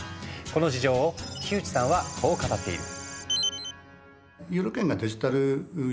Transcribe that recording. この事情を木内さんはこう語っている。